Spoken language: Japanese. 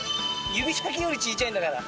指先より小ちゃいんだから。